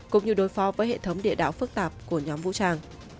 cũng như đối phó với hệ thống địa đạo phức tạp của nhóm vũ trang